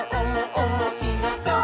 おもしろそう！」